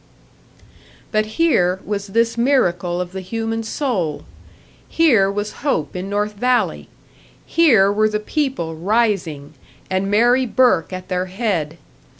But here was this miracle of the human soul! Here was hope in North Valley! Here were the people rising and Mary Burke at their head!